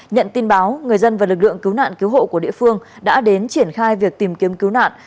nhận tin báo người dân và lực lượng cứu nạn cứu hộ của địa phương đã đến triển khai việc tìm kiếm cứu nạn